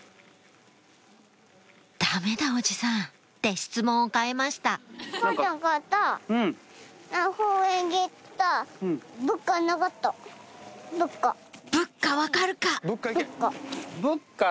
「ダメだおじさん」って質問を変えましたぶっか分かるか？